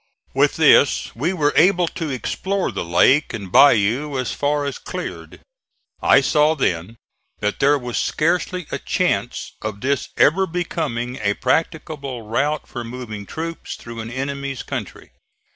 With this we were able to explore the lake and bayou as far as cleared. I saw then that there was scarcely a chance of this ever becoming a practicable route for moving troops through an enemy's country.